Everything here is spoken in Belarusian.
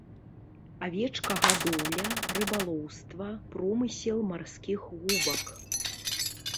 Авечкагадоўля, рыбалоўства, промысел марскіх губак.